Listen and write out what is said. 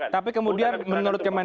tapi kemudian menurut kementerian